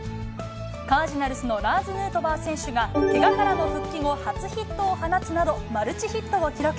カージナルスのラーズ・ヌートバー選手が、けがからの復帰後初ヒットを放つなど、マルチヒットを記録。